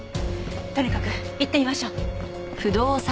とにかく行ってみましょう。